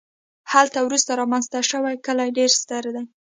هلته وروسته رامنځته شوي کلي ډېر ستر دي